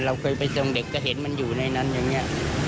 เราเคยไปทรงเด็กก็เห็นมันอยู่ในนั้นอย่างนี้